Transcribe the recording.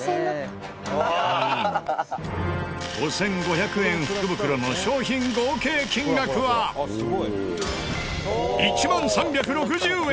５５００円福袋の商品合計金額は１万３６０円。